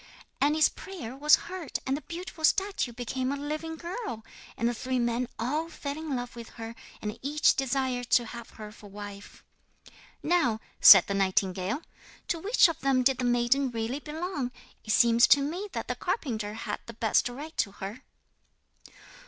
'And his prayer was heard, and the beautiful statue became a living girl, and the three men all fell in love with her, and each desired to have her to wife. 'Now,' said the nightingale, 'to which of them did the maiden really belong? It seems to me that the carpenter had the best right to her.'